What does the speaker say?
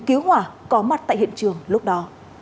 cứu hỏa có mặt tại hiện trường lúc đó